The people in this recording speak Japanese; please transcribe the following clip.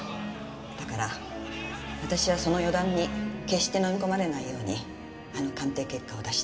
だから私はその予断に決して飲み込まれないようにあの鑑定結果を出した。